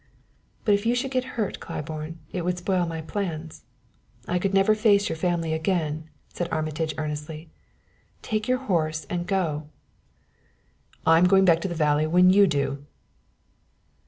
"But if you should get hurt, Claiborne, it would spoil my plans. I never could face your family again," said Armitage earnestly. "Take your horse and go." "I'm going back to the valley when you do."